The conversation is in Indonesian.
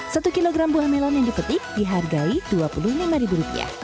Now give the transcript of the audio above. satu kilogram buah melon yang dipetik dihargai rp dua puluh lima